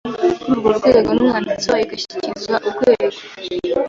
kuri urwo rwego n’Umwanditsi wayo igashyikirizwa urwego